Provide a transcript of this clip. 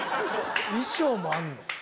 衣装もあんの？